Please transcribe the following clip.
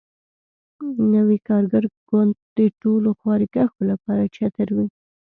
نوی کارګر ګوند د ټولو خواریکښو لپاره چتر وي.